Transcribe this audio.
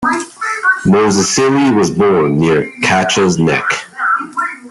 Mosisili was born near Qacha's Nek.